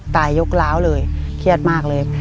ยกร้าวเลยเครียดมากเลย